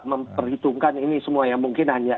memperhitungkan ini semua ya mungkin hanya